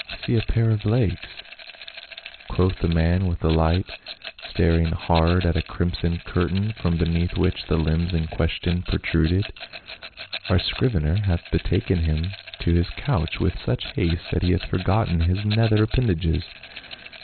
" I see a pair of legs," quoth the man with the light, staring hard at a crimson curtain from beneath which the limbs in question protruded. " Our scrivener hath betaken him to his couch with such haste that he hath forgotten his nether appendages."